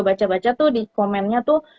baca baca tuh di komennya tuh